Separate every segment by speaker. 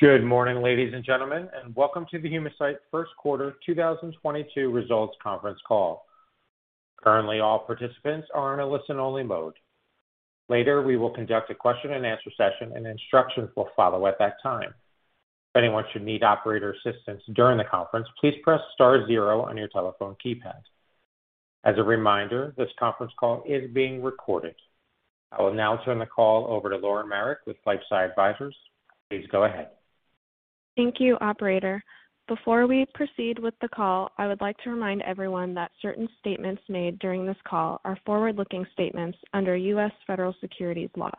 Speaker 1: Good morning, ladies and gentlemen, and welcome to the Humacyte First Quarter 2022 Results Conference Call. Currently, all participants are in a listen-only mode. Later, we will conduct a question-and-answer session, and instructions will follow at that time. If anyone should need operator assistance during the conference, please press star zero on your telephone keypad. As a reminder, this conference call is being recorded. I will now turn the call over to Lauren Marek with LifeSci Advisors. Please go ahead. Thank you, operator. Before we proceed with the call, I would like to remind everyone that certain statements made during this call are forward-looking statements under U.S. federal securities laws.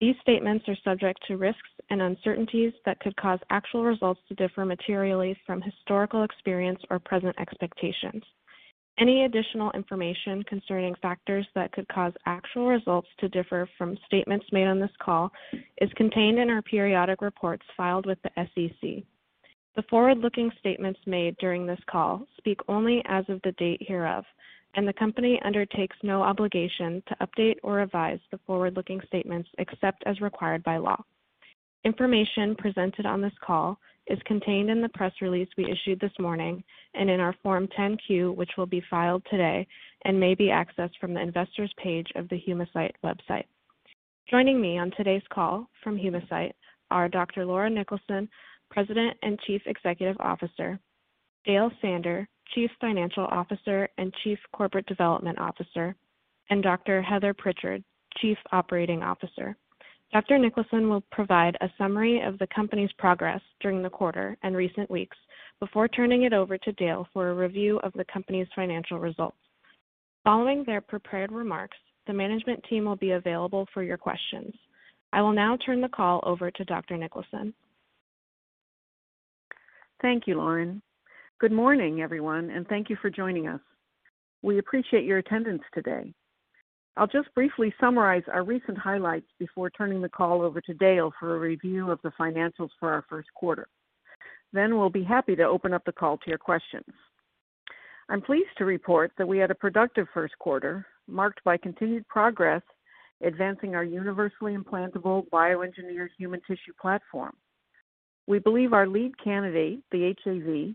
Speaker 1: These statements are subject to risks and uncertainties that could cause actual results to differ materially from historical experience or present expectations. Any additional information concerning factors that could cause actual results to differ from statements made on this call is contained in our periodic reports filed with the SEC. The forward-looking statements made during this call speak only as of the date hereof, and the company undertakes no obligation to update or revise the forward-looking statements except as required by law. Information presented on this call is contained in the press release we issued this morning and in our Form 10-Q, which will be filed today and may be accessed from the investors page of the Humacyte website. Joining me on today's call from Humacyte are Dr. Laura Niklason, President and Chief Executive Officer, Dale Sander, Chief Financial Officer and Chief Corporate Development Officer, and Dr. Heather Prichard, Chief Operating Officer. Dr. Niklason will provide a summary of the company's progress during the quarter and recent weeks before turning it over to Dale for a review of the company's financial results. Following their prepared remarks, the management team will be available for your questions. I will now turn the call over to Dr. Niklason.
Speaker 2: Thank you, Lauren. Good morning, everyone, and thank you for joining us. We appreciate your attendance today. I'll just briefly summarize our recent highlights before turning the call over to Dale for a review of the financials for our first quarter. Then we'll be happy to open up the call to your questions. I'm pleased to report that we had a productive first quarter marked by continued progress advancing our universally implantable bioengineered human tissue platform. We believe our lead candidate, the HAV,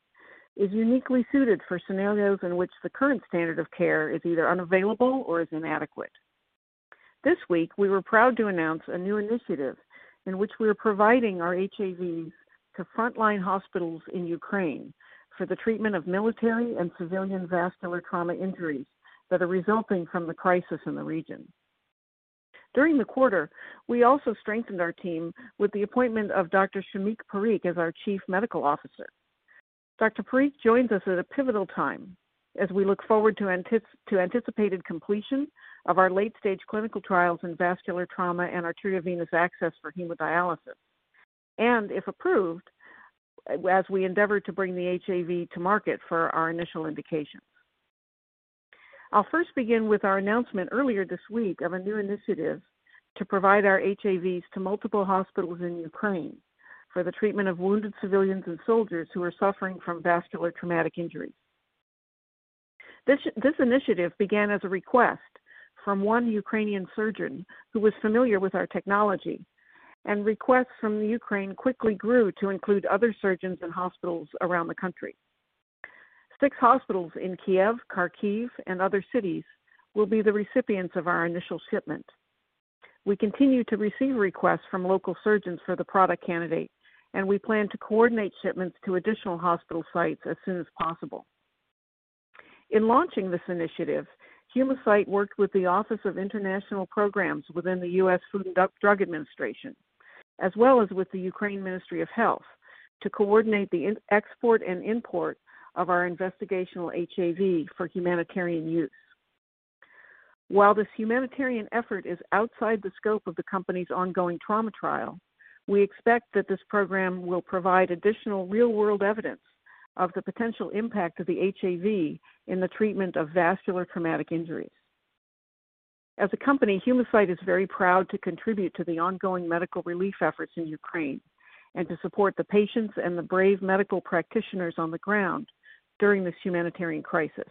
Speaker 2: is uniquely suited for scenarios in which the current standard of care is either unavailable or is inadequate. This week, we were proud to announce a new initiative in which we are providing our HAVs to frontline hospitals in Ukraine for the treatment of military and civilian vascular trauma injuries that are resulting from the crisis in the region. During the quarter, we also strengthened our team with the appointment of Dr. Shamik Parikh as our Chief Medical Officer. Dr. Parikh joins us at a pivotal time as we look forward to anticipated completion of our late-stage clinical trials in vascular trauma and arteriovenous access for hemodialysis. If approved, as we endeavor to bring the HAV to market for our initial indications. I'll first begin with our announcement earlier this week of a new initiative to provide our HAVs to multiple hospitals in Ukraine for the treatment of wounded civilians and soldiers who are suffering from vascular traumatic injury. This initiative began as a request from one Ukrainian surgeon who was familiar with our technology, and requests from Ukraine quickly grew to include other surgeons and hospitals around the country. Six hospitals in Kyiv, Kharkiv, and other cities will be the recipients of our initial shipment. We continue to receive requests from local surgeons for the product candidate, and we plan to coordinate shipments to additional hospital sites as soon as possible. In launching this initiative, Humacyte worked with the Office of International Programs within the U.S. Food and Drug Administration, as well as with the Ministry of Health of Ukraine to coordinate the export and import of our investigational HAV for humanitarian use. While this humanitarian effort is outside the scope of the company's ongoing trauma trial, we expect that this program will provide additional real-world evidence of the potential impact of the HAV in the treatment of vascular traumatic injuries. As a company, Humacyte is very proud to contribute to the ongoing medical relief efforts in Ukraine and to support the patients and the brave medical practitioners on the ground during this humanitarian crisis.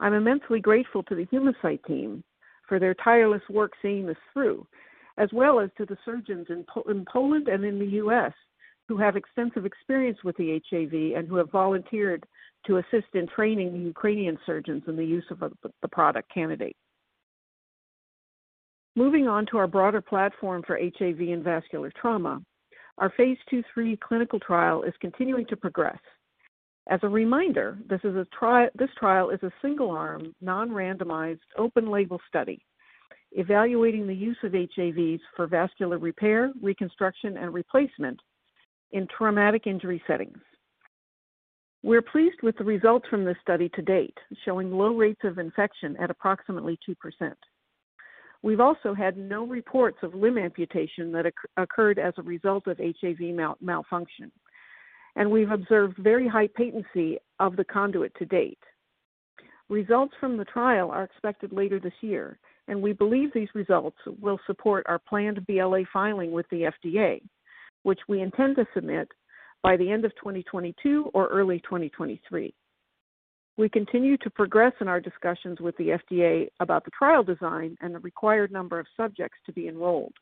Speaker 2: I'm immensely grateful to the Humacyte team for their tireless work seeing this through, as well as to the surgeons in Poland and in the U.S. who have extensive experience with the HAV and who have volunteered to assist in training the Ukrainian surgeons in the use of the product candidate. Moving on to our broader platform for HAV and vascular trauma, our phase 2/3 clinical trial is continuing to progress. As a reminder, this trial is a single-arm, non-randomized, open-label study evaluating the use of HAVs for vascular repair, reconstruction, and replacement in traumatic injury settings. We're pleased with the results from this study to date, showing low rates of infection at approximately 2%. We've also had no reports of limb amputation that occurred as a result of HAV malfunction, and we've observed very high patency of the conduit to date. Results from the trial are expected later this year, and we believe these results will support our planned BLA filing with the FDA, which we intend to submit by the end of 2022 or early 2023. We continue to progress in our discussions with the FDA about the trial design and the required number of subjects to be enrolled.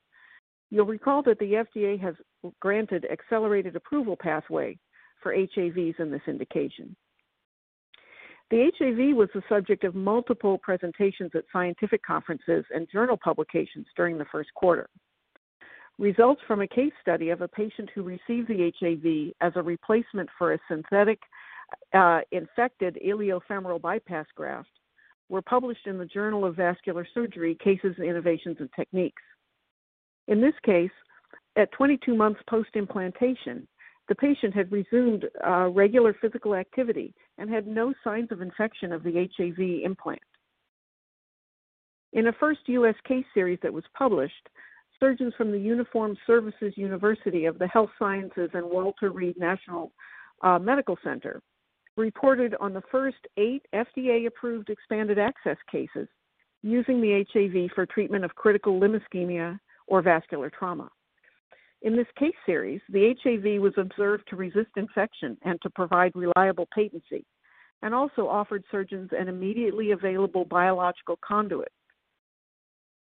Speaker 2: You'll recall that the FDA has granted accelerated approval pathway for HAVs in this indication. The HAV was the subject of multiple presentations at scientific conferences and journal publications during the first quarter. Results from a case study of a patient who received the HAV as a replacement for a synthetic, infected iliofemoral bypass graft were published in the Journal of Vascular Surgery Cases, Innovations and Techniques. In this case, at 22 months post-implantation, the patient had resumed regular physical activity and had no signs of infection of the HAV implant. In a first US case series that was published, surgeons from the Uniformed Services University of the Health Sciences and Walter Reed National Military Medical Center reported on the first 8 FDA-approved expanded access cases using the HAV for treatment of critical limb ischemia or vascular trauma. In this case series, the HAV was observed to resist infection and to provide reliable patency and also offered surgeons an immediately available biological conduit.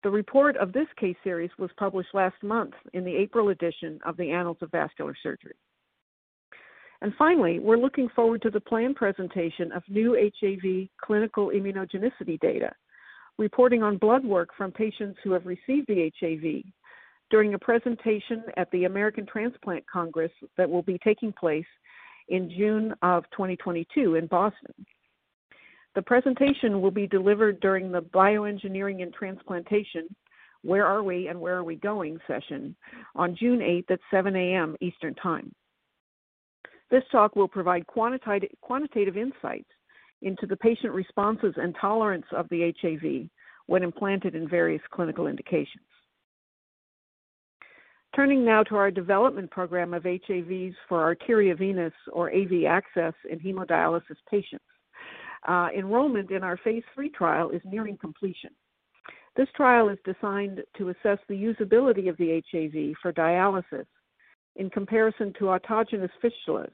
Speaker 2: The report of this case series was published last month in the April edition of the Annals of Vascular Surgery. Finally, we're looking forward to the planned presentation of new HAV clinical immunogenicity data, reporting on blood work from patients who have received the HAV during a presentation at the American Transplant Congress that will be taking place in June 2022 in Boston. The presentation will be delivered during the Bioengineering and Transplantation: Where Are We and Where Are We Going? session on June 8 at 7:00 A.M. Eastern Time. This talk will provide quantitative insights into the patient responses and tolerance of the HAV when implanted in various clinical indications. Turning now to our development program of HAVs for arteriovenous or AV access in hemodialysis patients. Enrollment in our phase III trial is nearing completion. This trial is designed to assess the usability of the HAV for dialysis in comparison to autogenous fistulas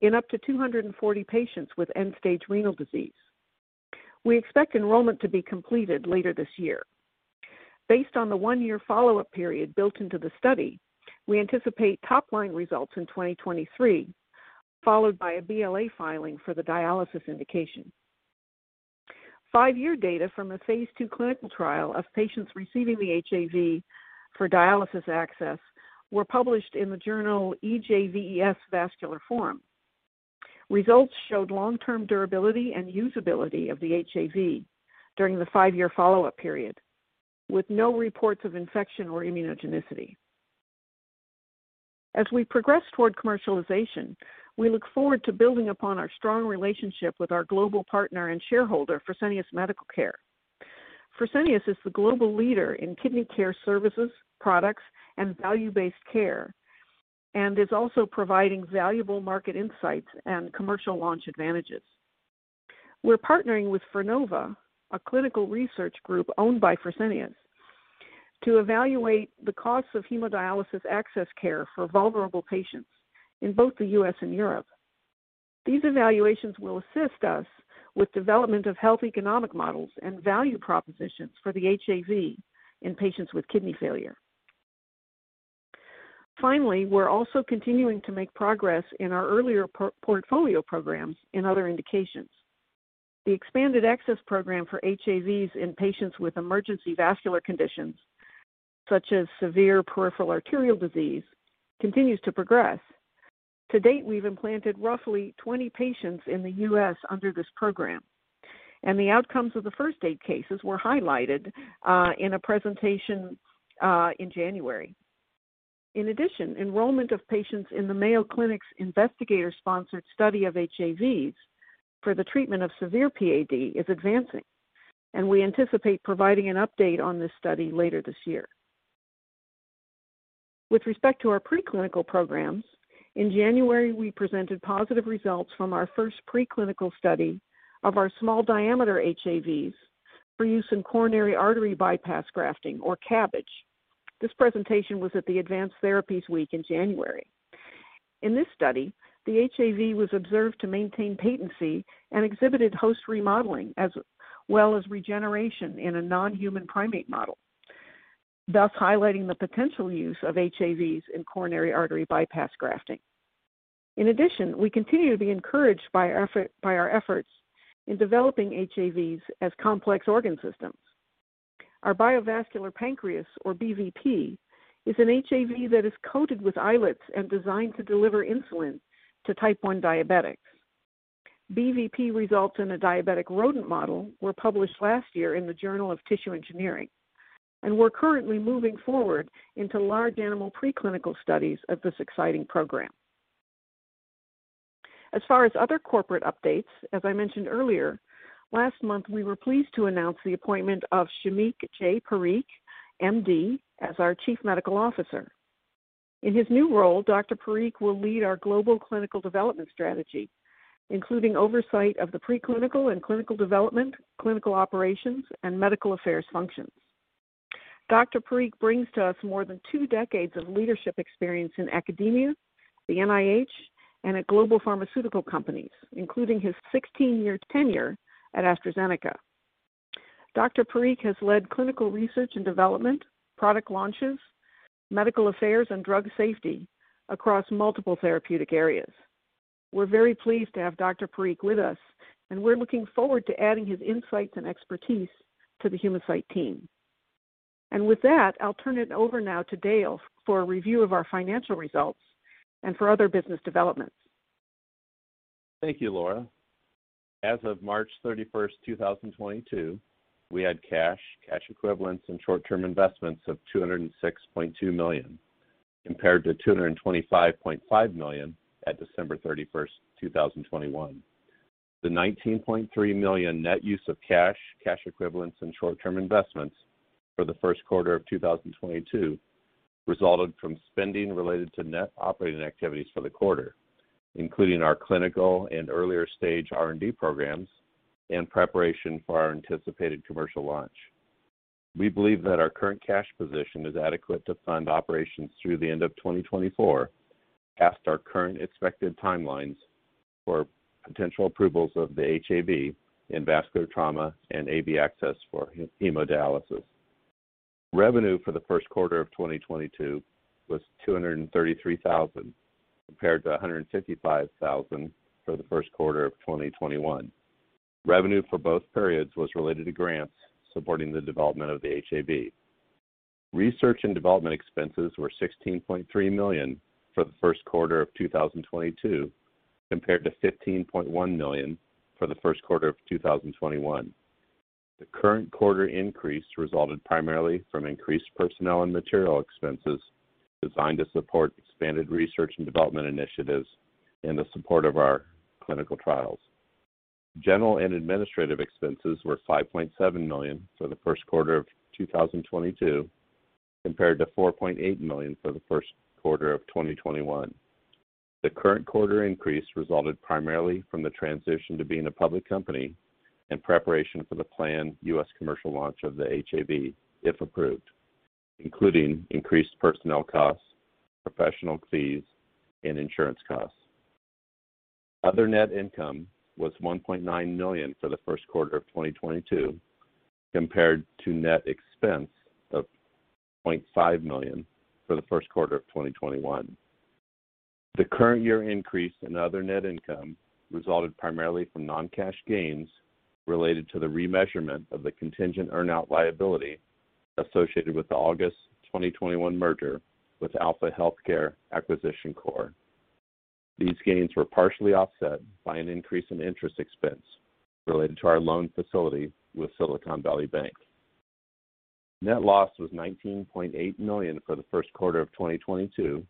Speaker 2: in up to 240 patients with end-stage renal disease. We expect enrollment to be completed later this year. Based on the 1-year follow-up period built into the study, we anticipate top-line results in 2023, followed by a BLA filing for the dialysis indication. Five year data from a phase II clinical trial of patients receiving the HAV for dialysis access were published in the journal EJVES Vascular Forum. Results showed long-term durability and usability of the HAV during the five year follow-up period, with no reports of infection or immunogenicity. As we progress toward commercialization, we look forward to building upon our strong relationship with our global partner and shareholder, Fresenius Medical Care. Fresenius is the global leader in kidney care services, products, and value-based care, and is also providing valuable market insights and commercial launch advantages. We're partnering with Frenova, a clinical research group owned by Fresenius, to evaluate the costs of hemodialysis access care for vulnerable patients in both the U.S. and Europe. These evaluations will assist us with development of health economic models and value propositions for the HAV in patients with kidney failure. Finally, we're also continuing to make progress in our earlier portfolio programs in other indications. The expanded access program for HAVs in patients with emergency vascular conditions, such as severe peripheral artery disease, continues to progress. To date, we've implanted roughly 20 patients in the U.S. under this program, and the outcomes of the first 8 cases were highlighted in a presentation in January. In addition, enrollment of patients in the Mayo Clinic's investigator-sponsored study of HAVs for the treatment of severe PAD is advancing, and we anticipate providing an update on this study later this year. With respect to our preclinical programs, in January, we presented positive results from our first preclinical study of our small diameter HAVs for use in coronary artery bypass grafting or CABG. This presentation was at the Advanced Therapies Week in January. In this study, the HAV was observed to maintain patency and exhibited host remodeling as well as regeneration in a non-human primate model, thus highlighting the potential use of HAVs in coronary artery bypass grafting. In addition, we continue to be encouraged by our efforts in developing HAVs as complex organ systems. Our BioVascular Pancreas, or BVP, is an HAV that is coated with islets and designed to deliver insulin to type 1 diabetics. BVP results in a diabetic rodent model were published last year in the Journal of Tissue Engineering, and we're currently moving forward into large animal preclinical studies of this exciting program. As far as other corporate updates, as I mentioned earlier, last month, we were pleased to announce the appointment of Shamik J. Parikh, MD, as our Chief Medical Officer. In his new role, Dr. Parikh will lead our global clinical development strategy, including oversight of the preclinical and clinical development, clinical operations, and medical affairs functions. Dr. Parikh brings to us more than two decades of leadership experience in academia, the NIH, and at global pharmaceutical companies, including his 16-year tenure at AstraZeneca. Parikh has led clinical research and development, product launches, medical affairs, and drug safety across multiple therapeutic areas. We're very pleased to have Dr. Parikh with us, and we're looking forward to adding his insights and expertise to the Humacyte team. With that, I'll turn it over now to Dale for a review of our financial results and for other business developments.
Speaker 3: Thank you, Laura. As of March 31, 2022, we had cash equivalents, and short-term investments of $206.2 million, compared to $225.5 million at December 31, 2021. The $19.3 million net use of cash equivalents, and short-term investments for the first quarter of 2022 resulted from spending related to net operating activities for the quarter, including our clinical and earlier stage R&D programs and preparation for our anticipated commercial launch. We believe that our current cash position is adequate to fund operations through the end of 2024, past our current expected timelines for potential approvals of the HAV in vascular trauma and AV access for hemodialysis. Revenue for the first quarter of 2022 was $233,000 compared to $155,000 for the first quarter of 2021. Revenue for both periods was related to grants supporting the development of the HAV. Research and development expenses were $16.3 million for the first quarter of 2022, compared to $15.1 million for the first quarter of 2021. The current quarter increase resulted primarily from increased personnel and material expenses designed to support expanded research and development initiatives in the support of our clinical trials. General and administrative expenses were $5.7 million for the first quarter of 2022, compared to $4.8 million for the first quarter of 2021. The current quarter increase resulted primarily from the transition to being a public company in preparation for the planned US commercial launch of the HAV, if approved, including increased personnel costs, professional fees, and insurance costs. Other net income was $1.9 million for the first quarter of 2022 compared to net expense of $0.5 million for the first quarter of 2021. The current year increase in other net income resulted primarily from non-cash gains related to the remeasurement of the contingent earn-out liability associated with the August 2021 merger with Alpha Healthcare Acquisition Corp. These gains were partially offset by an increase in interest expense related to our loan facility with Silicon Valley Bank. Net loss was $19.8 million for the first quarter of 2022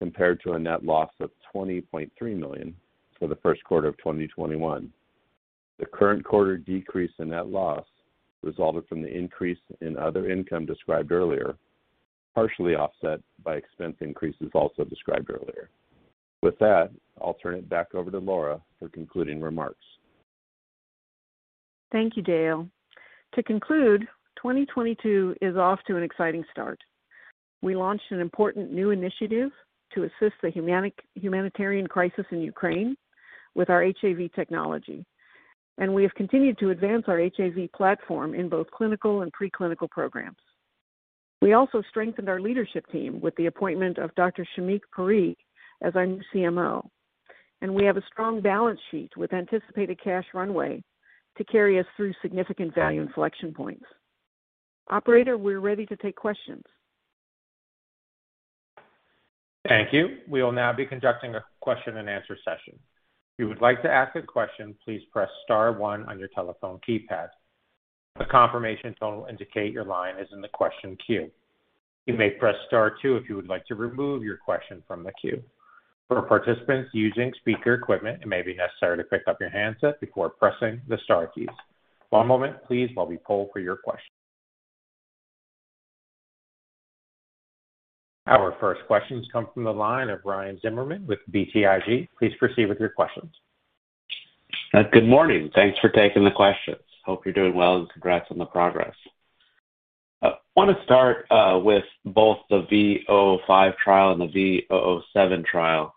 Speaker 3: compared to a net loss of $20.3 million for the first quarter of 2021. The current quarter decrease in net loss resulted from the increase in other income described earlier, partially offset by expense increases also described earlier. With that, I'll turn it back over to Laura for concluding remarks.
Speaker 2: Thank you, Dale. To conclude, 2022 is off to an exciting start. We launched an important new initiative to assist the humanitarian crisis in Ukraine with our HAV technology, and we have continued to advance our HAV platform in both clinical and pre-clinical programs. We also strengthened our leadership team with the appointment of Dr. Shamik Parikh as our new CMO. We have a strong balance sheet with anticipated cash runway to carry us through significant value inflection points. Operator, we're ready to take questions.
Speaker 1: Thank you. We will now be conducting a question and answer session. If you would like to ask a question, please press star one on your telephone keypad. A confirmation tone will indicate your line is in the question queue. You may press star two if you would like to remove your question from the queue. For participants using speaker equipment, it may be necessary to pick up your handset before pressing the star keys. One moment please while we poll for your question. Our first questions come from the line of Ryan Zimmerman with BTIG. Please proceed with your questions.
Speaker 4: Good morning. Thanks for taking the questions. Hope you're doing well and congrats on the progress. I want to start with both the V005 trial and the V007 trial.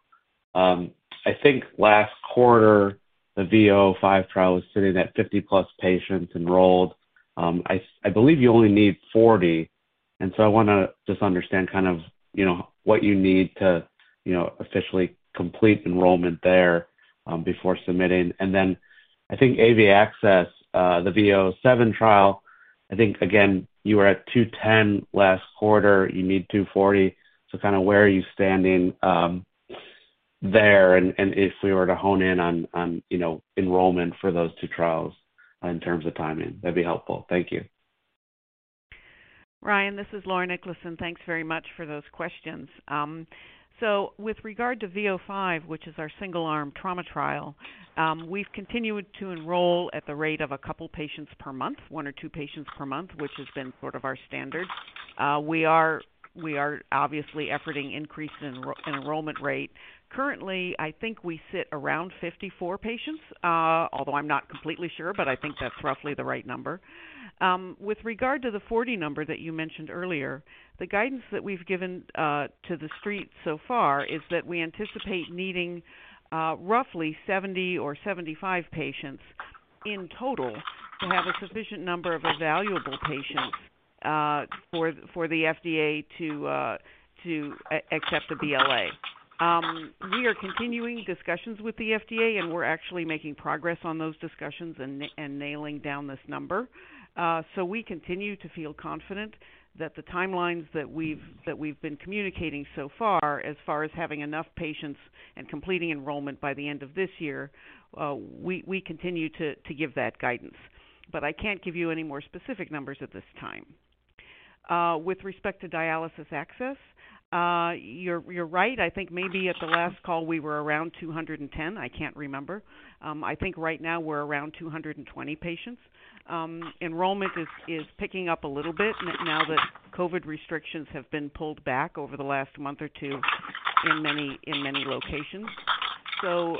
Speaker 4: I think last quarter, the V005 trial was sitting at 50+ patients enrolled. I believe you only need 40, and so I wanna just understand kind of, you know, what you need to, you know, officially complete enrollment there before submitting. I think AV access, the V007 trial, I think again, you were at 210 last quarter. You need 240. So kind of where are you standing there? If we were to hone in on, you know, enrollment for those two trials in terms of timing, that'd be helpful. Thank you.
Speaker 2: Ryan, this is Laura Niklason, and thanks very much for those questions. With regard to V005, which is our single arm trauma trial, we've continued to enroll at the rate of a couple patients per month, one or two patients per month, which has been sort of our standard We are obviously efforting an increase in enrollment rate. Currently, I think we sit around 54 patients, although I'm not completely sure, but I think that's roughly the right number. With regard to the 40 number that you mentioned earlier, the guidance that we've given to the Street so far is that we anticipate needing roughly 70 or 75 patients in total to have a sufficient number of evaluable patients for the FDA to accept a BLA. We are continuing discussions with the FDA, and we're actually making progress on those discussions and nailing down this number. We continue to feel confident that the timelines that we've been communicating so far as far as having enough patients and completing enrollment by the end of this year, we continue to give that guidance. I can't give you any more specific numbers at this time. With respect to dialysis access, you're right. I think maybe at the last call, we were around 210. I can't remember. I think right now we're around 220 patients. Enrollment is picking up a little bit now that COVID restrictions have been pulled back over the last month or two in many locations.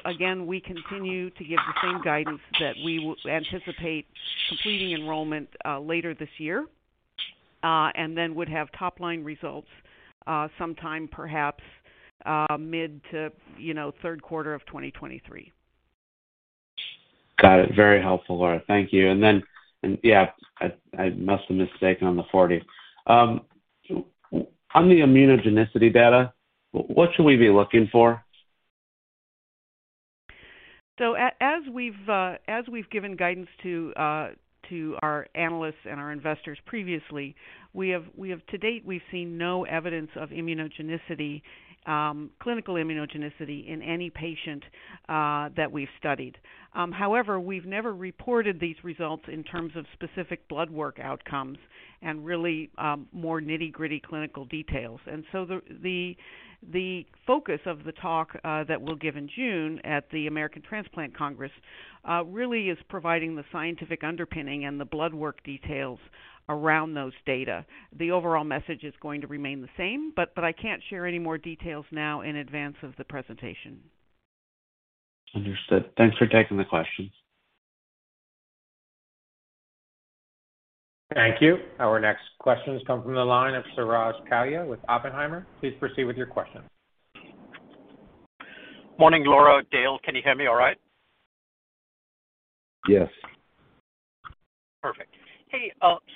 Speaker 2: Again, we continue to give the same guidance that we anticipate completing enrollment later this year, and then would have top-line results sometime perhaps mid to, you know, third quarter of 2023.
Speaker 4: Got it. Very helpful, Laura. Thank you. Yeah, I must have mistaken on the 40. On the immunogenicity data, what should we be looking for?
Speaker 2: As we've given guidance to our analysts and our investors previously, to date we've seen no evidence of immunogenicity, clinical immunogenicity in any patient that we've studied. However, we've never reported these results in terms of specific blood work outcomes and really, more nitty-gritty clinical details. The focus of the talk that we'll give in June at the American Transplant Congress really is providing the scientific underpinning and the blood work details around those data. The overall message is going to remain the same, but I can't share any more details now in advance of the presentation.
Speaker 4: Understood. Thanks for taking the questions.
Speaker 1: Thank you. Our next question has come from the line of Suraj Kalia with Oppenheimer. Please proceed with your question.
Speaker 5: Morning, Laura, Dale. Can you hear me all right?
Speaker 2: Yes.
Speaker 5: Perfect. Hey,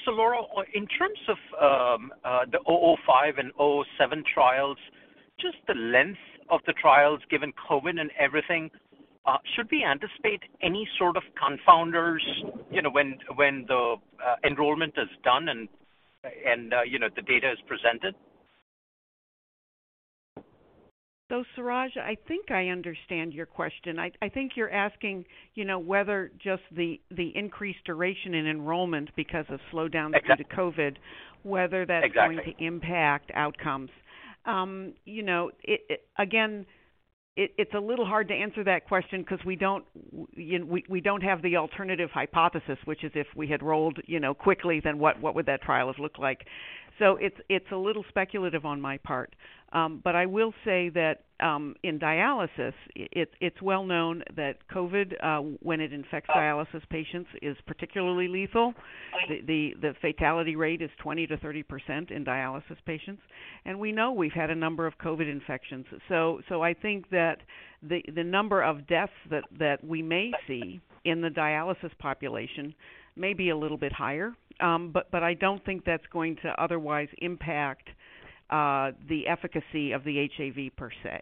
Speaker 5: Laura, in terms of the V005 and V007 trials, just the length of the trials, given COVID and everything, should we anticipate any sort of confounders, you know, when the enrollment is done and, you know, the data is presented?
Speaker 2: Suraj, I think I understand your question. I think you're asking, you know, whether just the increased duration in enrollment because of slowdown.
Speaker 5: Exactly.
Speaker 2: due to COVID, whether that's
Speaker 5: Exactly.
Speaker 2: Going to impact outcomes. You know, again, it's a little hard to answer that question 'cause we don't have the alternative hypothesis, which is if we had rolled, you know, quickly, then what would that trial have looked like? It's a little speculative on my part. I will say that in dialysis, it's well known that COVID, when it infects dialysis patients, is particularly lethal.
Speaker 5: Right.
Speaker 2: The fatality rate is 20%-30% in dialysis patients, and we know we've had a number of COVID infections. I think that the number of deaths that we may see in the dialysis population may be a little bit higher. But I don't think that's going to otherwise impact the efficacy of the HAV per se.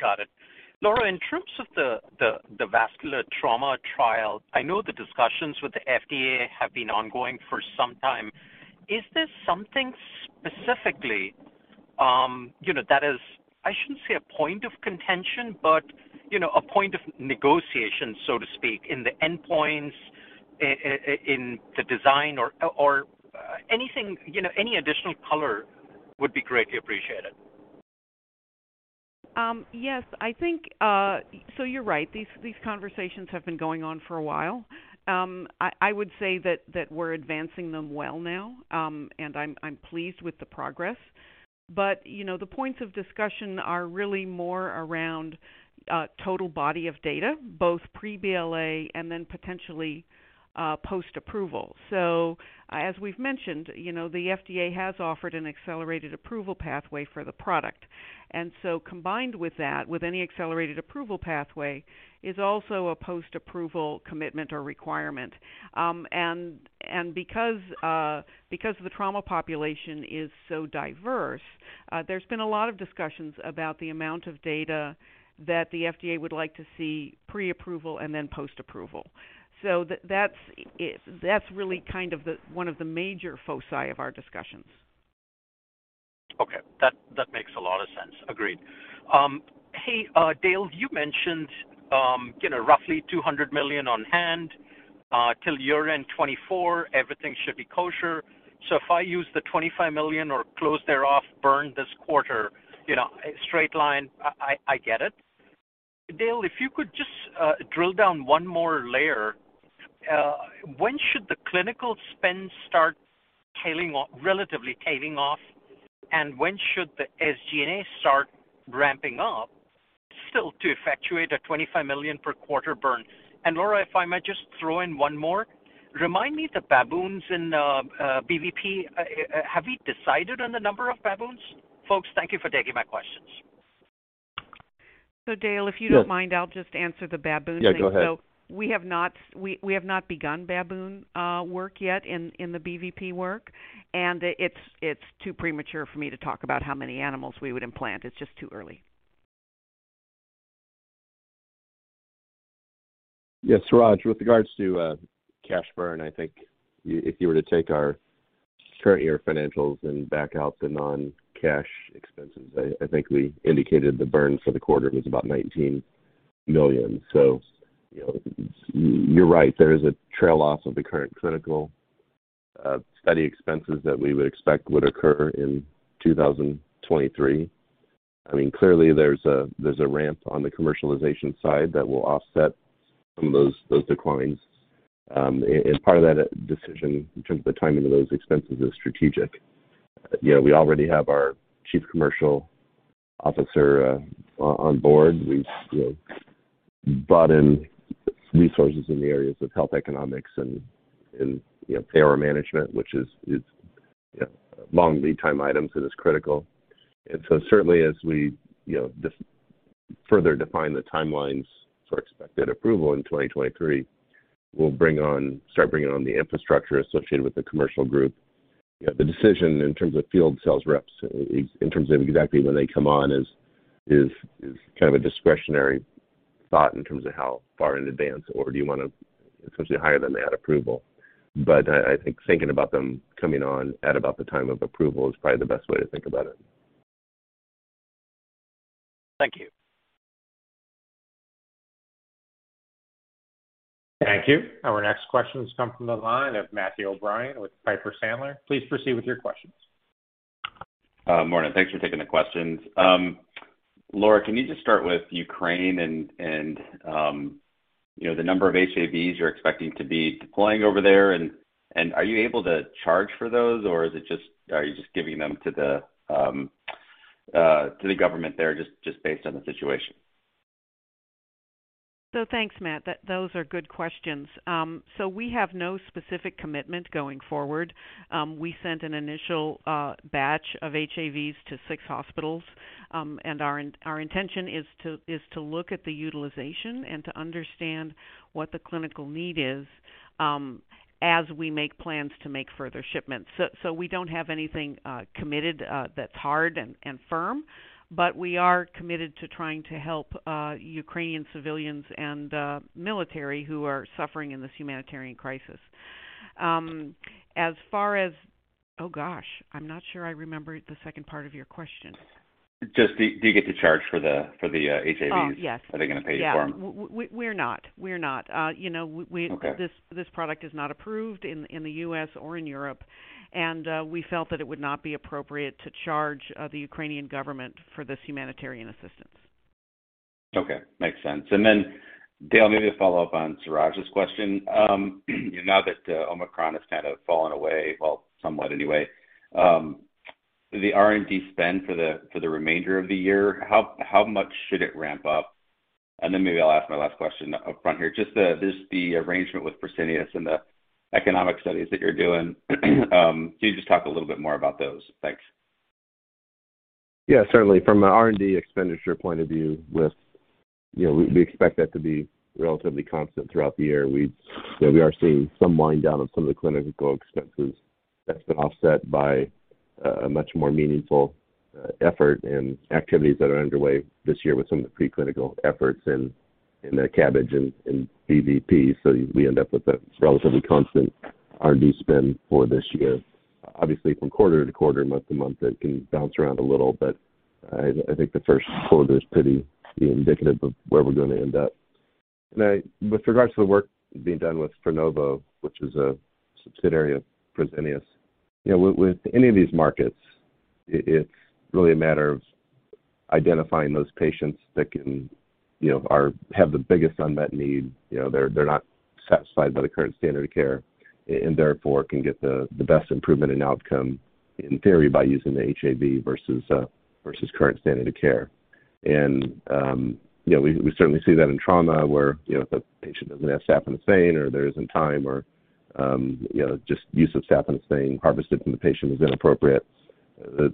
Speaker 5: Got it. Laura, in terms of the vascular trauma trial, I know the discussions with the FDA have been ongoing for some time. Is there something specifically, you know, that is, I shouldn't say a point of contention, but, you know, a point of negotiation, so to speak, in the endpoints, in the design or anything, you know, any additional color would be greatly appreciated.
Speaker 2: Yes. I think you're right. These conversations have been going on for a while. I would say that we're advancing them well now, and I'm pleased with the progress. You know, the points of discussion are really more around total body of data, both pre-BLA and then potentially post-approval. As we've mentioned, you know, the FDA has offered an accelerated approval pathway for the product. Combined with that, with any accelerated approval pathway is also a post-approval commitment or requirement. Because the trauma population is so diverse, there's been a lot of discussions about the amount of data that the FDA would like to see pre-approval and then post-approval. That's really kind of the one of the major foci of our discussions.
Speaker 5: Okay. That makes a lot of sense. Agreed. Hey, Dale, you mentioned, you know, roughly $200 million on hand, till year-end 2024, everything should be kosher. If I use the $25 million or close thereof burned this quarter, you know, I get it. Dale, if you could just drill down one more layer. When should the clinical spend start tailing off, relatively tailing off, and when should the SG&A start ramping up still to effectuate a $25 million per quarter burn? And Laura, if I might just throw in one more. Remind me the baboons in BVP. Have we decided on the number of baboons? Folks, thank you for taking my questions.
Speaker 2: Dale, if you don't mind, I'll just answer the baboon thing.
Speaker 3: Yeah, go ahead.
Speaker 2: We have not begun baboon work yet in the BVP work, and it's too premature for me to talk about how many animals we would implant. It's just too early.
Speaker 3: Yes, Suraj Kalia, with regards to cash burn, I think if you were to take our current year financials and back out the non-cash expenses, I think we indicated the burn for the quarter was about $19 million. You know, you're right, there is a tail off of the current clinical study expenses that we would expect would occur in 2023. I mean, clearly there's a ramp on the commercialization side that will offset some of those declines. And part of that decision in terms of the timing of those expenses is strategic. You know, we already have our chief commercial officer on board. We've you know, brought in resources in the areas of health economics and you know, AR management, which is you know, long lead time items that is critical. Certainly as we, you know, further define the timelines for expected approval in 2023, we'll start bringing on the infrastructure associated with the commercial group. You know, the decision in terms of field sales reps in terms of exactly when they come on is kind of a discretionary thought in terms of how far in advance or do you wanna essentially hire them at approval. I think thinking about them coming on at about the time of approval is probably the best way to think about it.
Speaker 5: Thank you.
Speaker 1: Thank you. Our next question has come from the line of Matthew O'Brien with Piper Sandler. Please proceed with your questions.
Speaker 6: Morning. Thanks for taking the questions. Laura, can you just start with Ukraine and you know, the number of HAVs you're expecting to be deploying over there, and are you able to charge for those, or are you just giving them to the government there just based on the situation?
Speaker 2: Thanks, Matt. Those are good questions. We have no specific commitment going forward. We sent an initial batch of HAVs to six hospitals. Our intention is to look at the utilization and to understand what the clinical need is as we make plans to make further shipments. We don't have anything committed that's hard and firm, but we are committed to trying to help Ukrainian civilians and military who are suffering in this humanitarian crisis. As far as. Oh, gosh, I'm not sure I remember the second part of your question.
Speaker 6: Just, do you get to charge for the HAVs?
Speaker 2: Oh, yes.
Speaker 6: Are they gonna pay you for them?
Speaker 2: Yeah. We're not. You know,
Speaker 6: Okay.
Speaker 2: This product is not approved in the U.S. or in Europe, and we felt that it would not be appropriate to charge the Ukrainian government for this humanitarian assistance.
Speaker 6: Okay. Makes sense. Dale, maybe a follow-up on Suraj's question. Now that Omicron has kind of fallen away, well, somewhat anyway, the R&D spend for the remainder of the year, how much should it ramp up? Maybe I'll ask my last question up front here. Just this arrangement with Fresenius and the economic studies that you're doing. Can you just talk a little bit more about those? Thanks.
Speaker 3: Yeah, certainly. From a R&D expenditure point of view, we expect that to be relatively constant throughout the year. We are seeing some wind down on some of the clinical expenses that's been offset by a much more meaningful effort and activities that are underway this year with some of the preclinical efforts in the CABG and BVP. We end up with a relatively constant R&D spend for this year. Obviously, from quarter to quarter, month to month, it can bounce around a little, but I think the first quarter is pretty indicative of where we're gonna end up. Now, with regards to the work being done with Frenova, which is a subsidiary of Fresenius, you know, with any of these markets, it's really a matter of identifying those patients that can, you know, have the biggest unmet need, you know, they're not satisfied by the current standard of care, and therefore can get the best improvement in outcome, in theory, by using the HAV versus current standard of care. You know, we certainly see that in trauma where, you know, if a patient doesn't have saphenous vein or there isn't time or, you know, just use of saphenous vein harvested from the patient is inappropriate,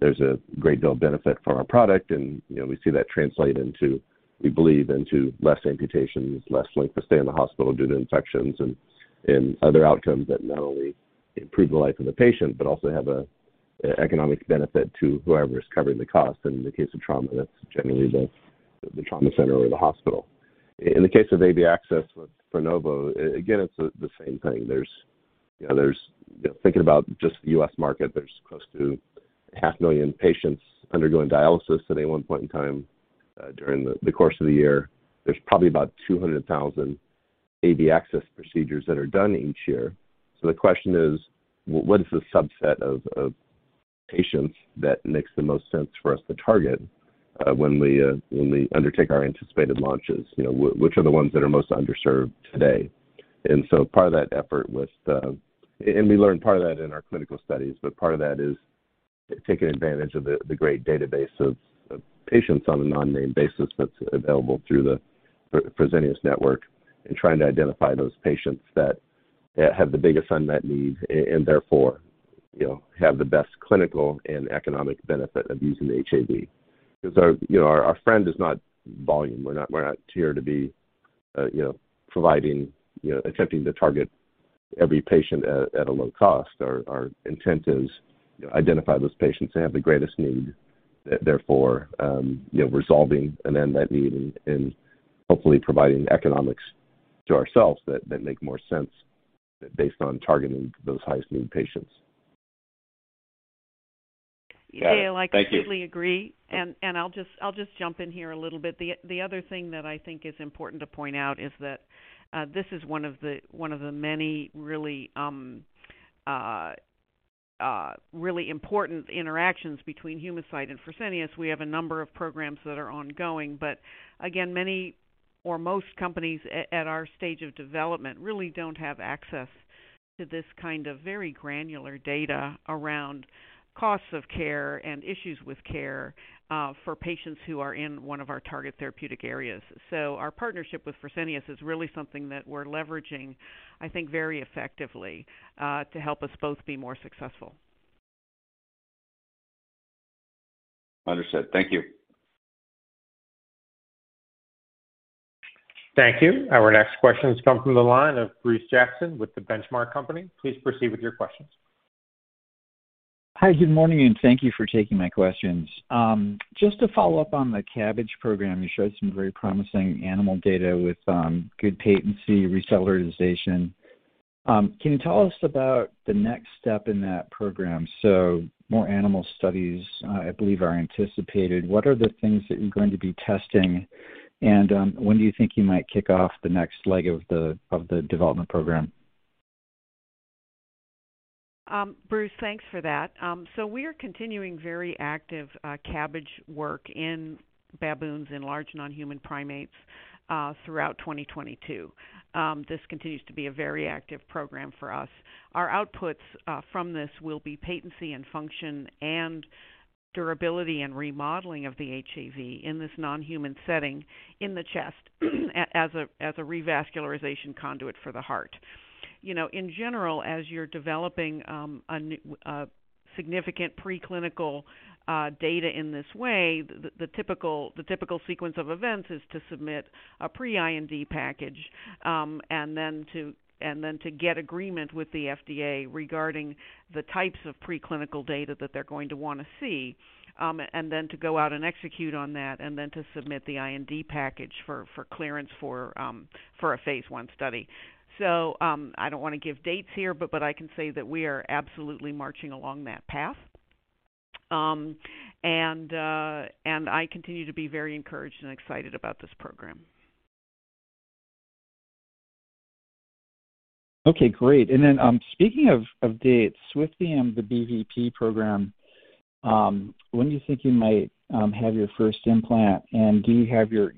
Speaker 3: there's a great deal of benefit from our product. You know, we see that translate into, we believe, into less amputations, less length of stay in the hospital due to infections and other outcomes that not only improve the life of the patient, but also have a economic benefit to whoever's covering the cost. In the case of trauma, that's generally the trauma center or the hospital. In the case of AV access with Frenova, again, it's the same thing. There's, you know, thinking about just the U.S. market, there's close to 500,000 patients undergoing dialysis at any one point in time during the course of the year. There's probably about 200,000 AV access procedures that are done each year. The question is, what is the subset of patients that makes the most sense for us to target, when we undertake our anticipated launches. You know, which are the ones that are most underserved today. Part of that effort was. We learned part of that in our clinical studies, but part of that is taking advantage of the great database of patients on a non-name basis that's available through the Fresenius Network and trying to identify those patients that have the biggest unmet need and therefore, you know, have the best clinical and economic benefit of using the HAV. Because, you know, our end is not volume. We're not here to be, you know, providing, you know, attempting to target every patient at a low cost. Our intent is, you know, identify those patients that have the greatest need, therefore, you know, resolving an unmet need and hopefully providing economics to ourselves that make more sense based on targeting those highest need patients.
Speaker 2: Dale, I completely agree.
Speaker 6: Got it. Thank you. I'll just jump in here a little bit. The other thing that I think is important to point out is that this is one of the many really important interactions between Humacyte and Fresenius. We have a number of programs that are ongoing, but again, many or most companies at our stage of development really don't have access to this kind of very granular data around costs of care and issues with care for patients who are in one of our target therapeutic areas. Our partnership with Fresenius is really something that we're leveraging, I think, very effectively to help us both be more successful. Understood. Thank you.
Speaker 1: Thank you. Our next question comes from the line of Bruce Jackson with The Benchmark Company. Please proceed with your questions.
Speaker 7: Hi, good morning, and thank you for taking my questions. Just to follow up on the CABG program, you showed some very promising animal data with good patency recellularization. Can you tell us about the next step in that program? More animal studies I believe are anticipated. What are the things that you're going to be testing? When do you think you might kick off the next leg of the development program?
Speaker 2: Bruce, thanks for that. We're continuing very active CABG work in baboons and large non-human primates throughout 2022. This continues to be a very active program for us. Our outputs from this will be patency and function and durability and remodeling of the HAV in this non-human setting in the chest as a revascularization conduit for the heart. You know, in general, as you're developing a significant preclinical data in this way, the typical sequence of events is to submit a pre-IND package, and then to get agreement with the FDA regarding the types of preclinical data that they're going to wanna see. to go out and execute on that and then to submit the IND package for clearance for a phase I study. I don't wanna give dates here, but I can say that we are absolutely marching along that path. I continue to be very encouraged and excited about this program.
Speaker 7: Okay, great. Speaking of dates, Swifty and the BVP program, when do you think you might have your first implant? And do you have your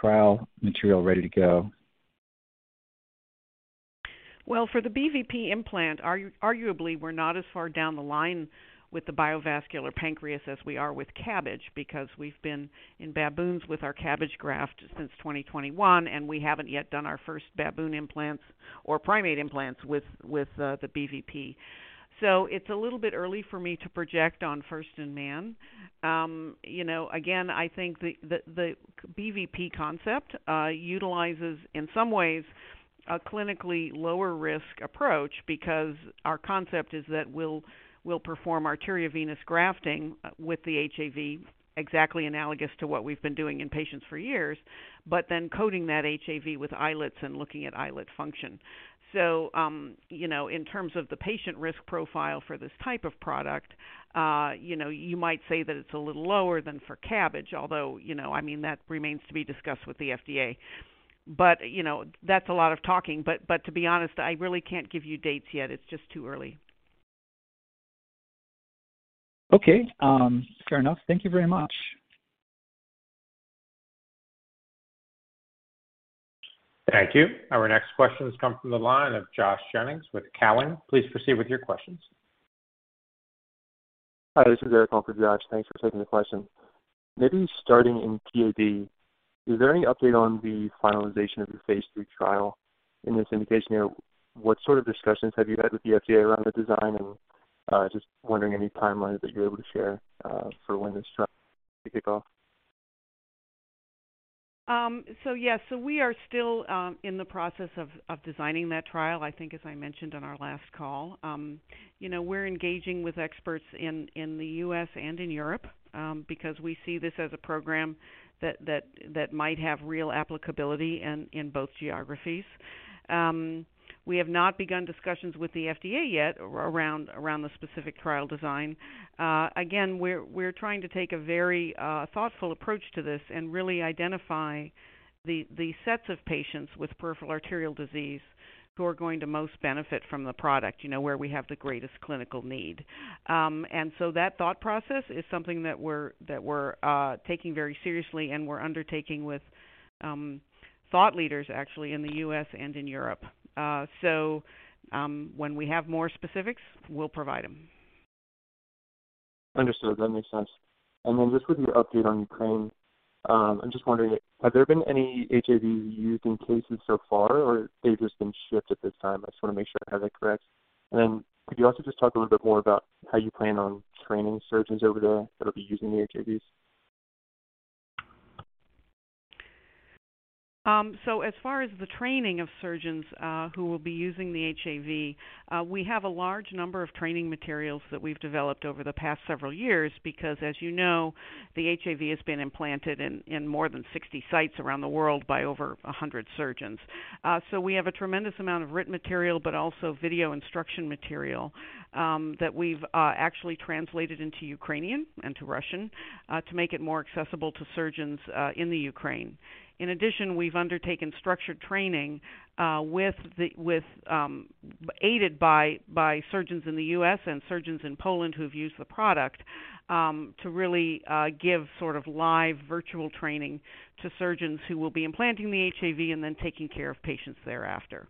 Speaker 7: trial material ready to go?
Speaker 2: Well, for the BVP implant, arguably, we're not as far down the line with the BioVascular Pancreas as we are with CABG because we've been in baboons with our CABG graft since 2021, and we haven't yet done our first baboon implants or primate implants with the BVP. It's a little bit early for me to project on first in man. You know, again, I think the BVP concept utilizes, in some ways, a clinically lower risk approach because our concept is that we'll perform arteriovenous grafting with the HAV, exactly analogous to what we've been doing in patients for years, but then coating that HAV with islets and looking at islet function. In terms of the patient risk profile for this type of product, you know, you might say that it's a little lower than for CABG, although, you know, I mean, that remains to be discussed with the FDA. You know, that's a lot of talking, but to be honest, I really can't give you dates yet. It's just too early.
Speaker 7: Okay. Fair enough. Thank you very much.
Speaker 1: Thank you. Our next question comes from the line of Josh Jennings with Cowen. Please proceed with your questions.
Speaker 8: Hi, this is Eric. I'm for Josh. Thanks for taking the question. Maybe starting in PAD, is there any update on the finalization of the phase 3 trial in this indication? What sort of discussions have you had with the FDA around the design? And just wondering any timelines that you're able to share for when this trial may kick off.
Speaker 2: Yes. We are still in the process of designing that trial, I think, as I mentioned on our last call. You know, we're engaging with experts in the U.S. and in Europe, because we see this as a program that might have real applicability in both geographies. We have not begun discussions with the FDA yet around the specific trial design. Again, we're trying to take a very thoughtful approach to this and really identify the sets of patients with peripheral artery disease who are going to most benefit from the product, you know, where we have the greatest clinical need. That thought process is something that we're taking very seriously and we're undertaking with thought leaders actually in the U.S. and in Europe. When we have more specifics, we'll provide them.
Speaker 8: Understood. That makes sense. Just with the update on Ukraine, I'm just wondering, have there been any HAV used in cases so far, or they've just been shipped at this time? I just wanna make sure I have that correct. Could you also just talk a little bit more about how you plan on training surgeons over there that'll be using the HAVs?
Speaker 2: As far as the training of surgeons who will be using the HAV, we have a large number of training materials that we've developed over the past several years because as you know, the HAV has been implanted in more than 60 sites around the world by over 100 surgeons. We have a tremendous amount of written material, but also video instruction material that we've actually translated into Ukrainian and to Russian to make it more accessible to surgeons in Ukraine. In addition, we've undertaken structured training aided by surgeons in the U.S. and surgeons in Poland who have used the product to really give sort of live virtual training to surgeons who will be implanting the HAV and then taking care of patients thereafter.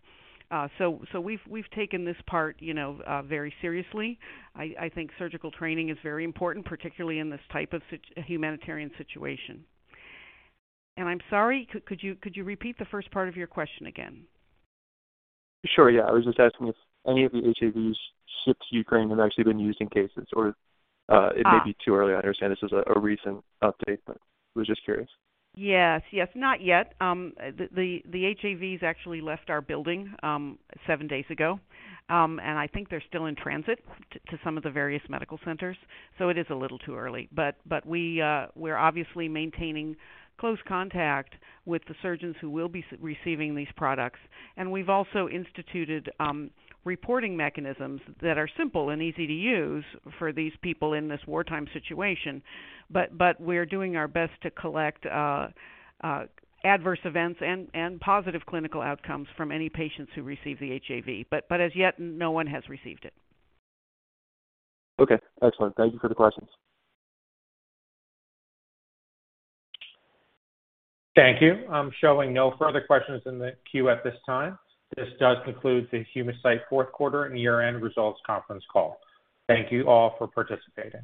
Speaker 2: We've taken this part, you know, very seriously. I think surgical training is very important, particularly in this type of humanitarian situation. I'm sorry, could you repeat the first part of your question again?
Speaker 8: Sure, yeah. I was just asking if any of the HAVs shipped to Ukraine have actually been used in cases or?
Speaker 2: Ah.
Speaker 8: It may be too early. I understand this is a recent update, but I was just curious.
Speaker 2: Yes, yes. Not yet. The HAVs actually left our building 7 days ago. I think they're still in transit to some of the various medical centers, so it is a little too early. We're obviously maintaining close contact with the surgeons who will be receiving these products. We've also instituted reporting mechanisms that are simple and easy to use for these people in this wartime situation. We're doing our best to collect adverse events and positive clinical outcomes from any patients who receive the HAV. As yet, no one has received it.
Speaker 8: Okay, excellent. Thank you for the questions.
Speaker 1: Thank you. I'm showing no further questions in the queue at this time. This does conclude the Humacyte fourth quarter and year-end results conference call. Thank you all for participating.